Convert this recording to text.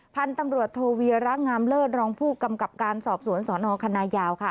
พันธุ์ตำรวจโทเวียระงามเลิศรองผู้กำกับการสอบสวนสนคณะยาวค่ะ